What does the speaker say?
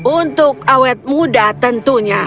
untuk awet muda tentunya